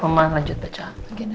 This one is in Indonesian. kemarin gak segini